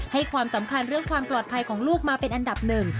ให้ความสำคัญเรื่องความปลอดภัยของลูกมาเป็นอันดับหนึ่ง